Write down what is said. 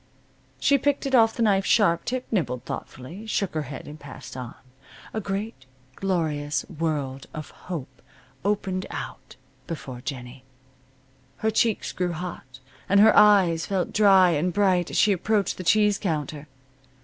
She picked it off the knife's sharp tip, nibbled thoughtfully, shook her head, and passed on. A great, glorious world of hope opened out before Jennie. Her cheeks grew hot, and her eyes felt dry and bright as she approached the cheese counter.